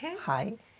はい。